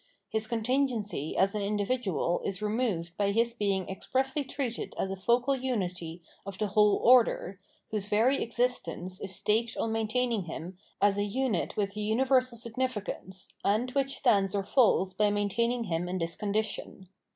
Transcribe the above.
His contingency as an individual is removed by his being expressly treated as a focal unity of the whole oi'der, whose very exist ence is staked on maintaining him as a unit with a universal significance, and which stands or falls by maintaining him in this condition.